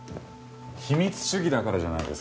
秘密主義だからじゃないですか？